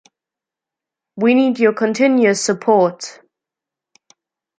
We need your continuous support.